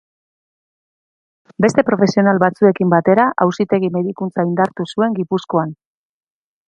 Beste profesional batzuekin batera, auzitegi-medikuntza indartu zuen Gipuzkoan.